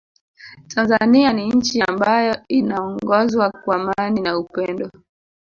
Tanzania ni nchi ambayo inaongozwa kwa amani na upendo